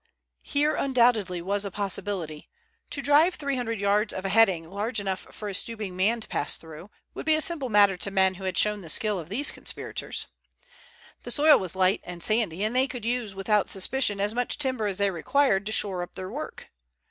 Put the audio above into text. Here undoubtedly was a possibility. To drive three hundred yards of a heading large enough for a stooping man to pass through, would be a simple matter to men who had shown the skill of these conspirators. The soil was light and sandy, and they could use without suspicion as much timber as they required to shore up their work.